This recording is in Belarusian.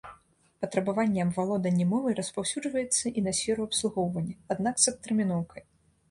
Патрабаванне аб валоданні мовай распаўсюджваецца і на сферу абслугоўвання, аднак з адтэрміноўкай.